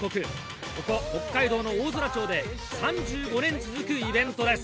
ここ北海道の大空町で３５年続くイベントです。